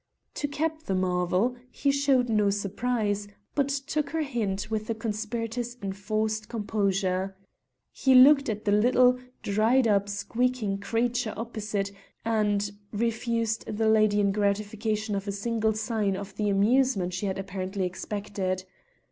To cap the marvel, he showed no surprise, but took her hint with a conspirator's enforced composure. He looked at the little, dried up, squeaking creature opposite, and refused the lady the gratification of a single sign of the amusement she had apparently expected.